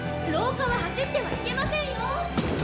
⁉廊下は走ってはいけませんよ！